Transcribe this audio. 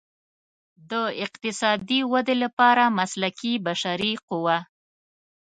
د اقتصادي ودې لپاره مسلکي بشري قوه.